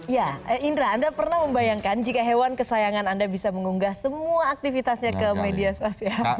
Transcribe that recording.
ya indra anda pernah membayangkan jika hewan kesayangan anda bisa mengunggah semua aktivitasnya ke media sosial